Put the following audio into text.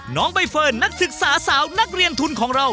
น้องใบเฟิร์นนักศึกษาสาวนักเรียนทุนของเรา